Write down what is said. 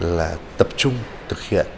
là tập trung thực hiện